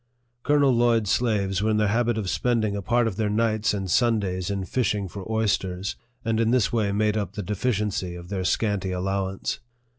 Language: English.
Colonel Lloyd's slaves were in the habit of spending a part of their nights and Sundays in fishing for oysters, and in this way made up the deficiency of their scanty allowance.